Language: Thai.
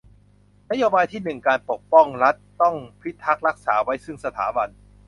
นโยบายที่หนึ่งการปกป้อง รัฐต้องพิทักษ์รักษาไว้ซึ่งสถาบัน